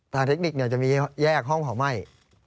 ตามเทคนิคเนี่ยจะมีแยกห้องเผาไหม้